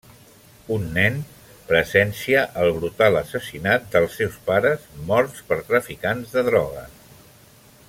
Un nen presencia el brutal assassinat dels seus pares morts per traficants de droga.